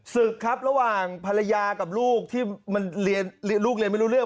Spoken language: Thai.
ศึกครับระหว่างภรรยากับลูกที่มันเรียนลูกเรียนไม่รู้เรื่อง